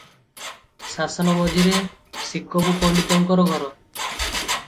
ଶାସନ ମଝିରେ ଶିକବୁ ପଣ୍ତିତଙ୍କ ଘର ।